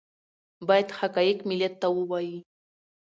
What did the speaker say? باید حقایق ملت ته ووایي